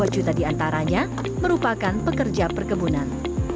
dua juta diantaranya merupakan pekerja perkebunan